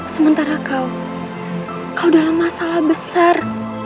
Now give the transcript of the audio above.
sementara kau kau dalam masalah besar